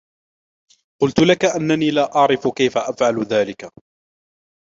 قلت لك أنني لا أعرف كيف أفعل ذلك.